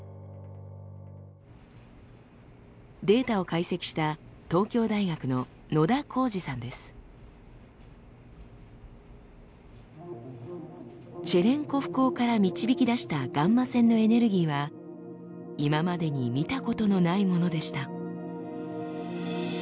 データを解析したチェレンコフ光から導き出したガンマ線のエネルギーは今までに見たことのないものでした。